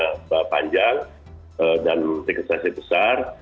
kalau tenornya panjang dan tiket sahaja besar